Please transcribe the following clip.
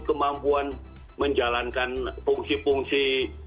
kemampuan menjalankan fungsi fungsi